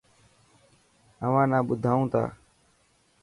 اوهان نا ٻڌائون تا.